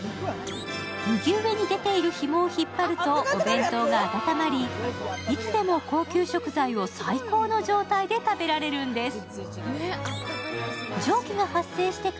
右上に出ているひもを引っ張るとお弁当が温まり、いつでも高級食材を最高の状態で食べられるんです。